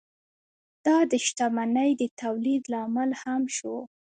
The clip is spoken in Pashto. دا د شتمنۍ د تولید لامل هم شو.